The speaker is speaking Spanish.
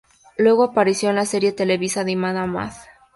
Luego, apareció en la serie televisiva animada "Mad".